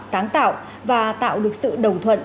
sáng tạo và tạo được sự đồng thuận